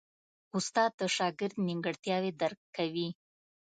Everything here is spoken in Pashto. استاد د شاګرد نیمګړتیاوې درک کوي.